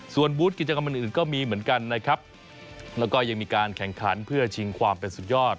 ส่วนบูธกิจกรรมอื่นอื่นก็มีเหมือนกันนะครับแล้วก็ยังมีการแข่งขันเพื่อชิงความเป็นสุดยอด